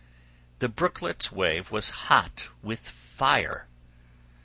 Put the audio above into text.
The brooklet's wave was hot with fire.